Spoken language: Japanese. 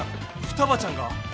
ふたばちゃんが？